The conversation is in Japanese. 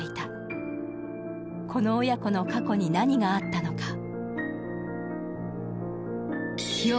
この親子の過去に何があったのか？